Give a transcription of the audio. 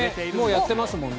もうやってますもんね。